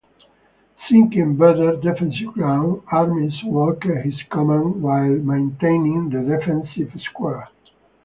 Seeking better defensive ground, Armes walked his command while maintaining the defensive square.